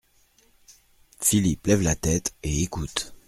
Philippe lève la tête et écoute.